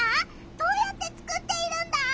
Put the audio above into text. どうやって作っているんだ？